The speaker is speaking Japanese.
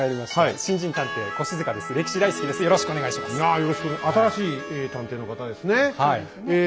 新しい探偵の方ですね。